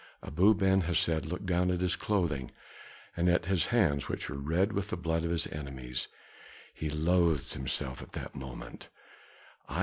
Abu Ben Hesed looked down at his clothing and at his hands which were red with the blood of his enemies. He loathed himself at that moment.